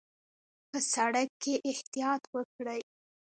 په سړک کې احتیاط وکړئ